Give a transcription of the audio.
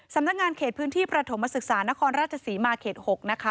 สำนักงานเขตพื้นที่ประถมศึกษานครราชศรีมาเขต๖นะคะ